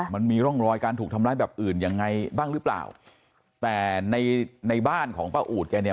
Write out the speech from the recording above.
มันมีร่องรอยการถูกทำร้ายแบบอื่นยังไงบ้างหรือเปล่าแต่ในในบ้านของป้าอูดแกเนี่ย